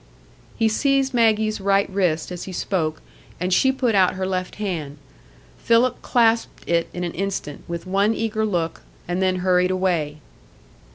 He seized Maggie's right wrist as he spoke, and she put out her left hand. Philip clasped it an instant, with one eager look, and then hurried away.